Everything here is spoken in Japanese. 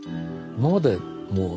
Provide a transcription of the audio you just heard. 今までう